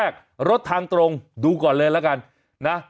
แต่ฝากเตือนดีกว่าอย่างแรกรถทางตรงดูก่อนเลยแล้วกัน